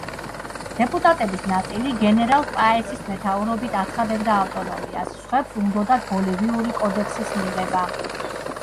დეპუტატების ნაწილი, გენერალ პაესის მეთაურობით, აცხადებდა ავტონომიას, სხვებს უნდოდათ ბოლივიური კოდექსის მიღება.